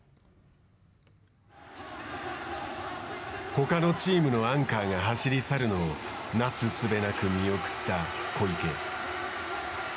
ほかのチームのアンカーが走り去るのをなすすべなく見送った小池。